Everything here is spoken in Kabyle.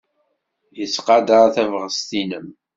Yettqadar tabɣest-nnem.